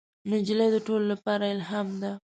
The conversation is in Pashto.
نجلۍ د ټولو لپاره الهام ده.